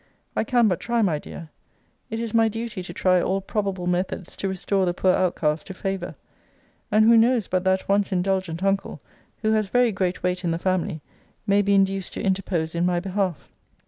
I can but try, my dear. It is my duty to try all probable methods to restore the poor outcast to favour. And who knows but that once indulgent uncle, who has very great weight in the family, may be induced to interpose in my behalf?